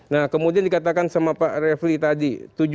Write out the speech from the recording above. nah kemudian dikatakan sama pak refli tadi